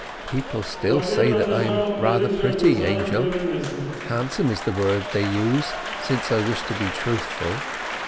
People still say that I am rather pretty, Angel (handsome is the word they use, since I wish to be truthful).